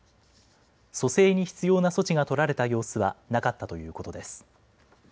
蘇生に必要な措置が取られた様子はなかったということです。